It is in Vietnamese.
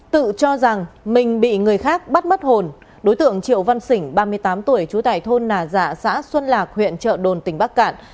tự cho rằng mình bị người khác bắt mất hồn đối tượng triệu văn xỉnh ba mươi tám tuổi trú tại thôn nà dạ xã xuân lạc huyện trợ đồn tỉnh bắc cạn